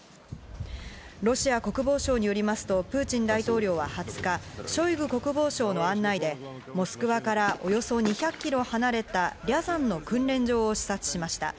ロシア国防省によりますとプーチン大統領は２０日、ショイグ国防相の案内でモスクワからおよそ２００キロ離れた、リャザンの訓練場を視察しました。